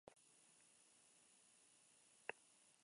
Miriam Prado Carrascal